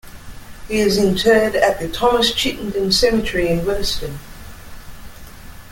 He is interred at the Thomas Chittenden Cemetery in Williston.